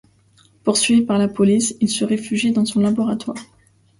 Poursuivi par la police, il se réfugie dans son laboratoire.